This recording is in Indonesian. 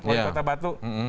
orang kata batu